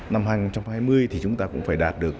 năm hai nghìn hai mươi thì chúng ta cũng phải đạt được